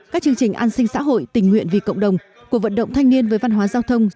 các chương trình an sinh xã hội tình nguyện vì cộng đồng cuộc vận động thanh niên với văn hóa giao thông